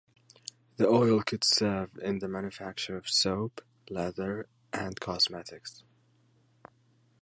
The oil could serve in the manufacture of soap, leather, and cosmetics.